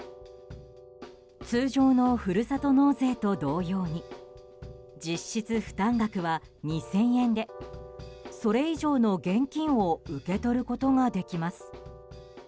通常のふるさと納税と同様に実質負担額は２０００円でそれ以上の現金を受け取ることができます。